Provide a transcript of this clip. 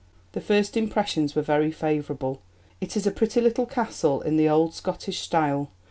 The first impressions were very favourable: "It is a pretty little castle in the old Scottish style.